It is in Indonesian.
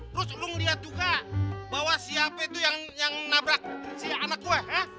terus lo ngeliat juga bahwa si apa itu yang nabrak si anak gue